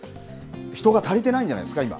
人が足りてないんじゃないですか、今。